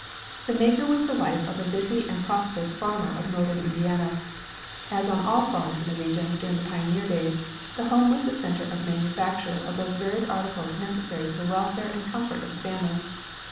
The maker was the wife of a busy and prosperous farmer of northern Indiana. As on all farms in that region during the pioneer days, the home was the centre of manufacture of those various articles necessary to the welfare and comfort of the family.